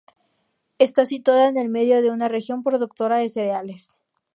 Está situada en el medio de una región productora de cereales.